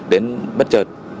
đến bất chợt